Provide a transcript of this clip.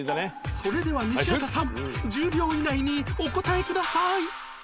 それでは西畑さん１０秒以内にお答えください